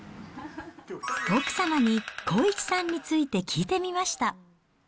奥様に、康一さんについて聞いてみました。